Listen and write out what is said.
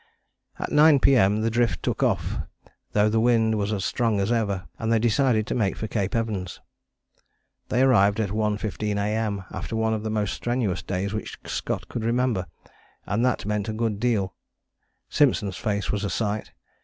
At 9 P.M. the drift took off though the wind was as strong as ever, and they decided to make for Cape Evans. They arrived at 1.15 A.M. after one of the most strenuous days which Scott could remember: and that meant a good deal. Simpson's face was a sight!